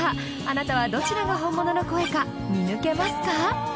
あなたはどちらが本物の声か見抜けますか？